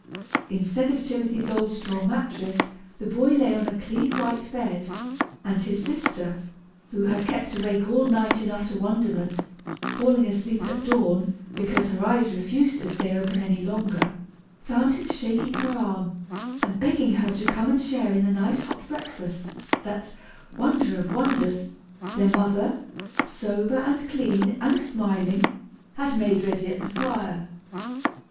Instead of Timothy's old straw mattress, the boy lay on a clean white bed; and his sister, who had kept awake all night in utter wonderment, falling asleep at dawn, because her eyes refused to stay open any longer, found him shaking her arm, and begging her to come and share in the nice hot breakfast that wonder of wonders! their mother, sober, and clean, and smiling, had made ready at the fire.